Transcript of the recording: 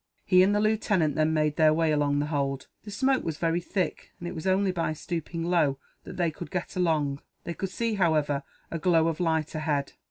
He and the lieutenant then made their way along the hold. The smoke was very thick, and it was only by stooping low that they could get along. They could see, however, a glow of light ahead.